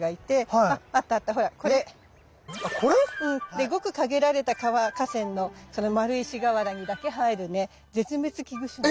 でごく限られた河川のその丸石河原にだけ生えるね絶滅危惧種なの。